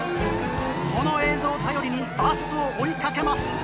この映像を頼りにバスを追い掛けます。